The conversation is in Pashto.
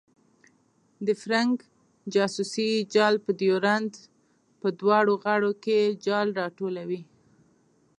د فرنګ جاسوسي جال په ډیورنډ په دواړو غاړو کې جال راټولوي.